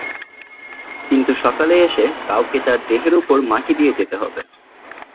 কিন্তু সকালে এসে কাউকে তার দেহের উপর মাটি দিয়ে যেতে হবে।